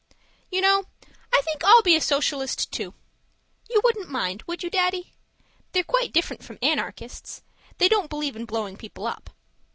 You know, I think I'll be a Socialist, too. You wouldn't mind, would you, Daddy? They're quite different from Anarchists; they don't believe in blowing people up.